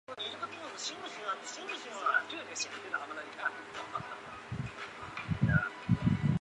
俄罗斯本身脆弱的经济使其难以抵御低油价和国际制裁带来的挑战。